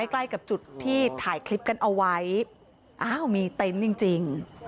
ใกล้กับจุดที่ถ่ายคลิปกันเอาไว้อ้าวมีเต็นต์จริง